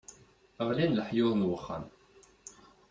Ɣlin leḥyuḍ n wexxam.